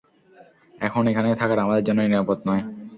এখন এখানে থাকাটা আমাদের জন্য নিরাপদ নয়।